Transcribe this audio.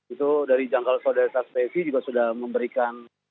itu dari jangkal solidaritas psi juga sudah memberikan